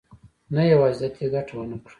نه یوازې ده ته ګټه ونه کړه.